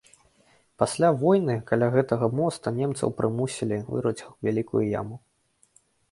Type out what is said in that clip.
Пасля войны каля гэтага моста немцаў прымусілі вырыць вялікую яму.